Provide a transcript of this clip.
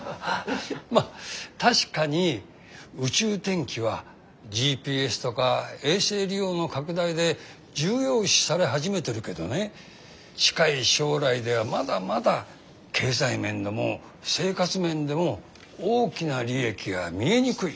まあ確かに宇宙天気はＧＰＳとか衛星利用の拡大で重要視され始めてるけどね近い将来ではまだまだ経済面でも生活面でも大きな利益が見えにくい。